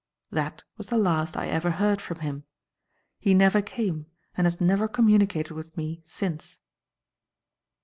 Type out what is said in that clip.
That was the last I ever heard from him. He never came and has never communicated with me since."